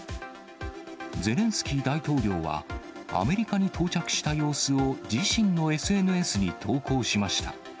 ゼレンスキー大統領は、アメリカに到着した様子を自身のＳＮＳに投稿しました。